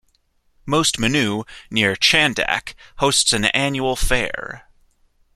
Most Manu, near Chandak, hosts an annual fair.